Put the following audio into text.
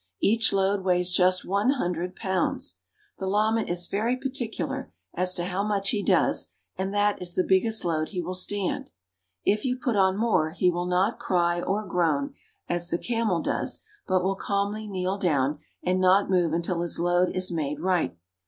Each load weighs just one hundred pounds. The llama is very particular as to how much he does, and that is the biggest load he will stand. If you put on more he will not cry or groan, as the camel does, but will calmly kneel down and not move until his load is made right.